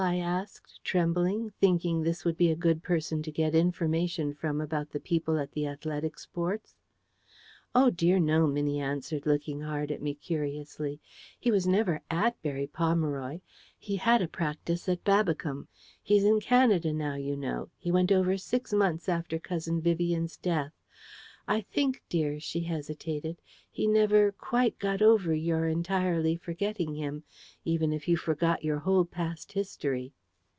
I asked, trembling, thinking this would be a good person to get information from about the people at the Athletic Sports. "Oh dear, no," Minnie answered, looking hard at me, curiously. "He was never at Berry Pomeroy. He had a practice at Babbicombe. He's in Canada now, you know. He went over six months after Cousin Vivian's death. I think, dear," she hesitated, "he never QUITE got over your entirely forgetting him, even if you forgot your whole past history."